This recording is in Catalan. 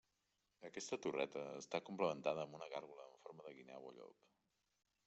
Aquesta torreta està complementada amb una gàrgola en forma de guineu o llop.